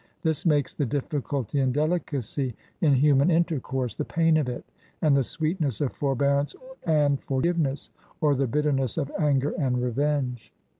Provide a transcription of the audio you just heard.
This makes the difficulty and delicacy in human intercourse, the pain of it, and the sweetness of forbearance and for giveness or the bitterness of anger and revenge.